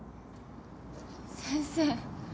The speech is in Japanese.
先生。